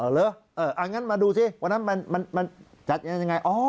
อย่างนั้นมาดูสิวันนั้นมันจัดยังไง